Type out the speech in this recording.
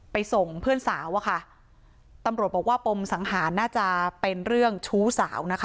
ส่งเพื่อนสาวอะค่ะตำรวจบอกว่าปมสังหารน่าจะเป็นเรื่องชู้สาวนะคะ